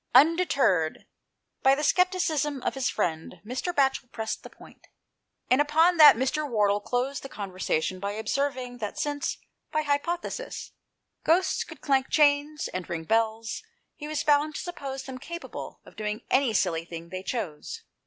Undeterred by the scepticism of his friend, Mr. Batchel pressed the point, and upon that, 159 anOST TALES, Mr. Wardle closed the conversation by observing that since, by hypothesis, ghosts could clank chains, and ring bells, he was bound to suppose them capable of doing any silly thing they chose.